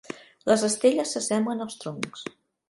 Les estelles s'assemblen als troncs.